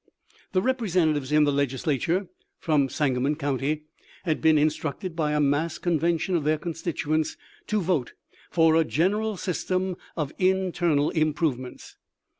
" The representatives in the Legislature from San gamon county had been instructed by a mass con vention of their constituents to vote " for a general system of internal improvements."